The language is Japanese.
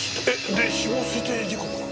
で死亡推定時刻は？